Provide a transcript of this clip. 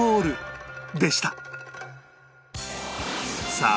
さあ